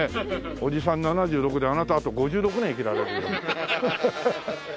おじさん７６であなたあと５６年生きられるよ。